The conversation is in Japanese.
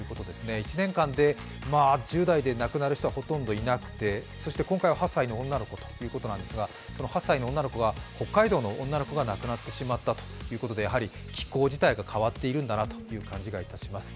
１年間で１０代で亡くなる人はほとんどいなくて、そして今回は８歳の女の子ということなんですがその８歳の女の子が、北海道の女の子が亡くなってしまったということで、気候自体が変わっているんだなという感じがいたします。